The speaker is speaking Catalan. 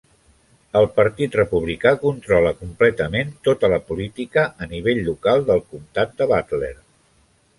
El Partit Republicà controla completament tota la política a nivell local del Comtat de Butler.